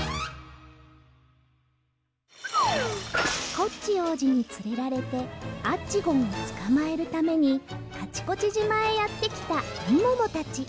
コッチおうじにつれられてアッチゴンをつかまえるためにカチコチじまへやってきたみももたち。